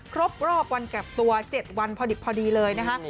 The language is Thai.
ครบรอบวันแก่บตัว๗วันพอดีเลยนะคะ